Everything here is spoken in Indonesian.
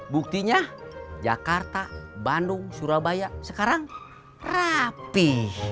buktinya jakarta bandung surabaya sekarang rapi